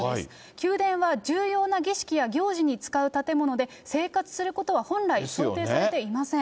宮殿は重要な儀式や行事に使う建物で、生活することは本来想定されていません。